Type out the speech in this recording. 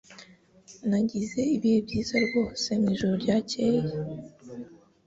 Nagize ibihe byiza rwose mwijoro ryakeye